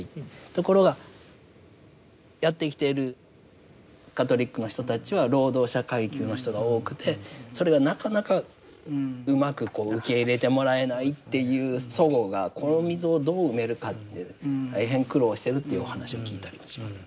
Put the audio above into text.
ところがやって来ているカトリックの人たちは労働者階級の人が多くてそれがなかなかうまくこう受け入れてもらえないっていう齟齬がこの溝をどう埋めるかって大変苦労しているというお話を聞いたりもします。